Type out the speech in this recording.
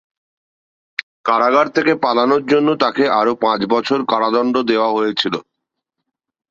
কারাগার থেকে পালানোর জন্য তাকে আরও পাঁচ বছর কারাদণ্ড দেওয়া হয়েছিল।